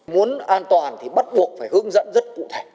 muốn an toàn thì bắt buộc phải hướng dẫn rất cụ thể